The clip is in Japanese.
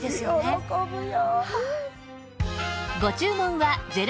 喜ぶよ。